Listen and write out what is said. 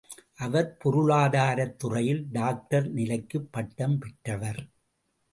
அவர் பொருளாதாரத் துறையில் டாக்டர் நிலைக்குப் பட்டம் பெற்றவர்.